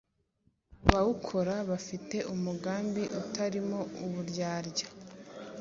Abawukora bafite umugambi utarimo uburyarya